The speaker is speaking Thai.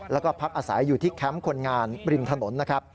แล้วก็พักอาศัยอยู่ที่แคมป์คนงานริมถนนนะครับ